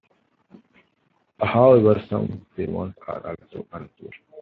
However, some seamounts are also unusual.